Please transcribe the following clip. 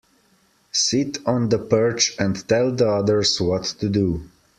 Sit on the perch and tell the others what to do.